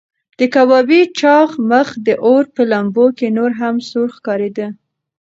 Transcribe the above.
د کبابي چاغ مخ د اور په لمبو کې نور هم سور ښکارېده.